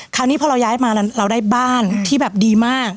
คราวนี้พอเราย้ายมาเราได้บ้านที่แบบดีมาก